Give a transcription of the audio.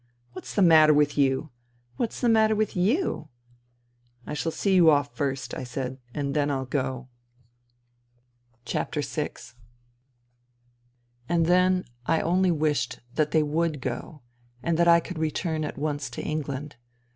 " What's the matter with you ?"" What's the matter with you ?"" I shall see you off first," I said, " and then I'll go." 250 FUTILITY VI And then I only wished that they would go, and that I could return at once to England.